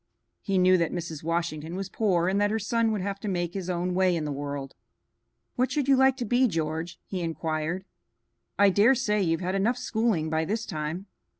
He knew that Mrs. Washington was poor and that her son would have to make his own way in the world. "What should you like to be, George?" he inquired. "I dare say you've had enough schooling by this time."